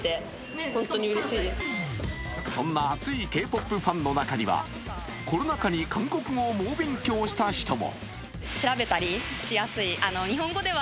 そんな熱いＫ−ＰＯＰファンの中にはコロナ禍に韓国語を猛勉強した人も。